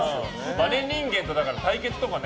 バネ人間と対決とかね。